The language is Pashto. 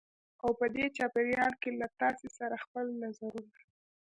او په دې چاپېریال کې له تاسې سره خپل نظرونه